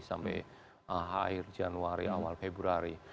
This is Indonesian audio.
sampai akhir januari awal februari